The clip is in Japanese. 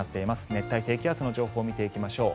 熱帯低気圧の情報見ていきましょう。